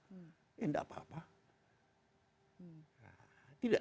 ya tidak apa apa